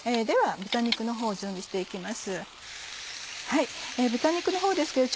では豚肉のほうを準備して行きます。